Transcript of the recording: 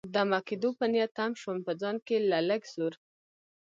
دمه کېدو په نیت تم شوم، په ځان کې له لږ زور.